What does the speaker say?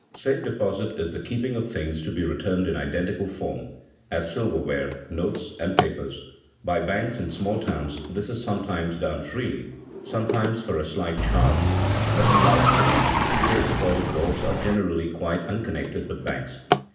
Safe deposit is the keeping of things to be returned in identical form, as silverware, notes, and papers. By banks in small towns this is sometimes done freely, sometimes for a slight charge; but in large cities safe deposit vaults are generally quite unconnected with banks.